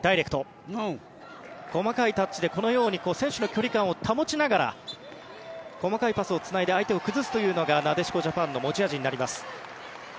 細かいタッチで選手の距離を保ちながら細かいパスをつないで相手を崩すというのがなでしこジャパンの持ち味になります。